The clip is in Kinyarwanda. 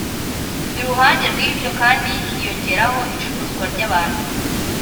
Iruhande rw’ibyo kandi hiyongeraho icuruzwa ry’abantu